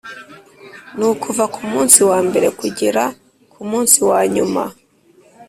ni ukuva ku munsi wa mbere kugera ku munsi wa nyuma